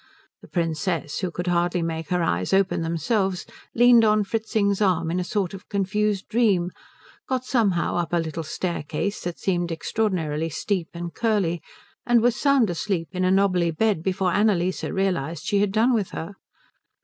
The Princess, who could hardly make her eyes open themselves, leaned on Fritzing's arm in a sort of confused dream, got somehow up a little staircase that seemed extraordinarily steep and curly, and was sound asleep in a knobbly bed before Annalise realized she had done with her.